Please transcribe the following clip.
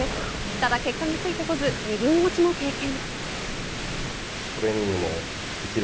ただ結果がついてこず二軍落ちも経験。